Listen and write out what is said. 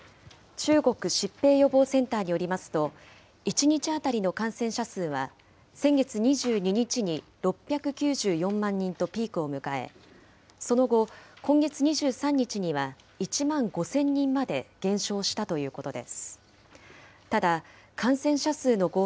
中国疾病予防センターによりますと、１日当たりの感染者数は先月２２日に６９４万人とピークを迎え、その後、今月２３日には１万５０００人にまで減少したということです。